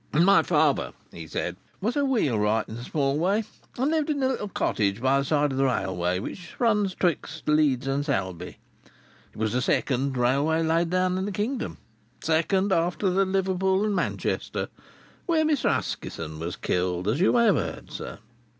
"My father," he said, "was a wheelwright in a small way, and lived in a little cottage by the side of the railway which runs betwixt Leeds and Selby. It was the second railway laid down in the kingdom, the second after the Liverpool and Manchester, where Mr. Huskisson was killed, as you may have heard on, sir.